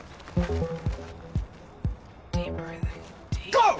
ゴー！